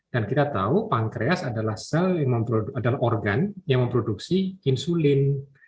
dan kita tahu pankreas adalah organ yang memproduksi insulin